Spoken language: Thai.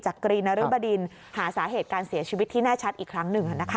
กรีนรึบดินหาสาเหตุการเสียชีวิตที่แน่ชัดอีกครั้งหนึ่ง